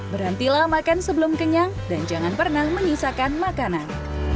berhentilah makan sebelum kenyang dan jangan pernah menyisakan makanan